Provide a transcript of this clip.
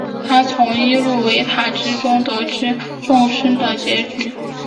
他从伊露维塔之中得知众生的结局。